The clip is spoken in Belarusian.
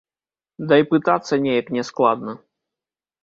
Дай пытацца неяк няскладна.